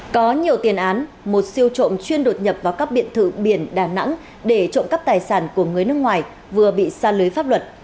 có nhiều tiền án một siêu trộm chuyên đột nhập vào các biệt thự biển đà nẵng để trộm cắp tài sản của người nước ngoài vừa bị xa lưới pháp luật